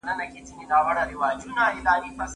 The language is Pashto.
عراقي وروڼه چي وينم